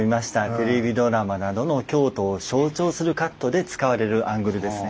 テレビドラマなどの京都を象徴するカットで使われるアングルですね。